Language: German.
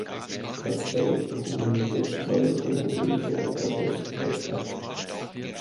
Das zerlegte Huhn wird zusammen mit dem Gemüse und der Sauce serviert.